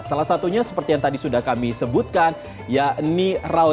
salah satunya seperti yang tadi sudah kami sebutkan ya ini rawon